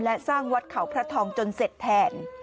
และสร้างวัดเขาพระทองจนเสร็จแทน